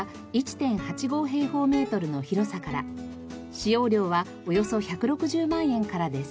使用料はおよそ１６０万円からです。